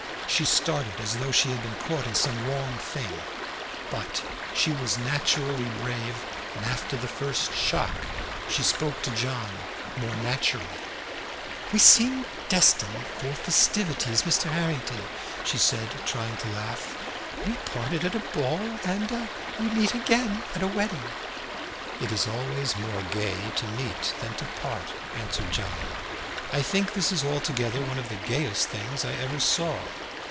She started as though she had been caught in some wrong thing; but she was naturally brave, and after the first shock she spoke to John more naturally. "We seem destined for festivities, Mr. Harrington," she said, trying to laugh. "We parted at a ball, and we meet again at a wedding." "It is always more gay to meet than to part," answered John. "I think this is altogether one of the gayest things I ever saw.